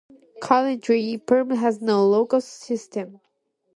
Currently, Parma has no local school system.